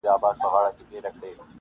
مکتب د میني محبت ومه زه,